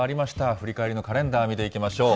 振り返りのカレンダー見ていきましょう。